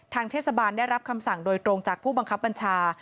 เทศบาลได้รับคำสั่งโดยตรงจากผู้บังคับบัญชา